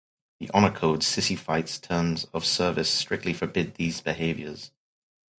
The Honor Code, "Sissyfight"'s terms of service, strictly forbids these behaviors.